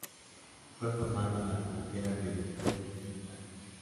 Fue formado en las canteras del Sporting Cristal.